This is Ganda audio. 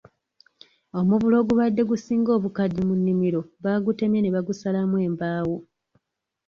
Omuvule ogubadde gusinga obukadde mu nnimiro baagutemye ne bagusalamu embaawo.